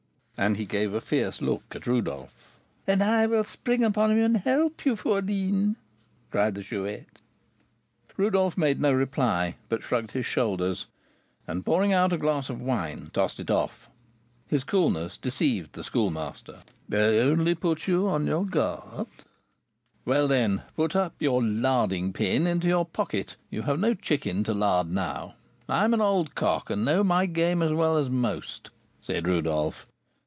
And he gave a fierce look at Rodolph. "And I will spring upon him and help you, fourline," cried the Chouette. Rodolph made no reply, but shrugged his shoulders, and, pouring out a glass of wine, tossed it off. His coolness deceived the Schoolmaster. "I only put you on your guard." "Well, then, put up your 'larding pin' into your pocket; you have no chicken to lard now. I am an old cock, and know my game as well as most," said Rodolph.